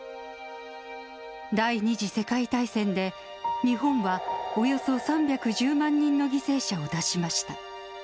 第２次世界大戦で、日本はおよそ３１０万人の犠牲者を出しました。